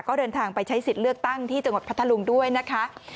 ก็เดินทางไปใช้สิทธิ์เลือกตั้งที่จังหวัดพัทธลุงด้วยนะคะ